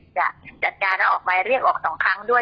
จะจัดการแล้วออกหมายเรียกออก๒ครั้งด้วย